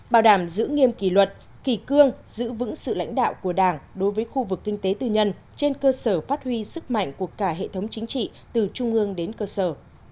bảo đảm giữ nghiêm kỳ luật kỳ cương giữ vững sự lãnh đạo của đảng đối với khu vực kinh tế tư nhân trên cơ sở phát huy sức mạnh của cả hệ thống chính trị từ trung ương đến cơ sở